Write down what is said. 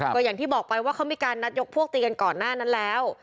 ก็อย่างที่บอกไปว่าเขามีการนัดยกพวกตีกันก่อนหน้านั้นแล้ว